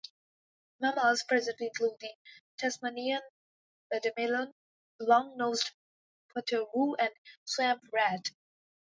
Mammals present include the Tasmanian pademelon, long-nosed potoroo and swamp rat.